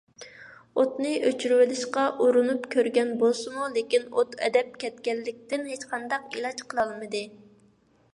ئوتنى ئۆچۈرۈۋېلىشقا ئۇرۇنۇپ كۆرگەن بولسىمۇ، لېكىن ئوت ئەدەپ كەتكەنلىكتىن ھېچقانداق ئىلاج قىلالمىدى.